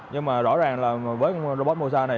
nhưng mà rõ ràng là với robot moza này